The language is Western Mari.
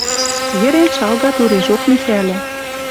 Йӹрен шалга турежок Михӓлӓ...